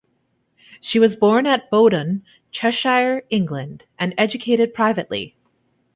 She was born at Bowdon, Cheshire, England and educated privately.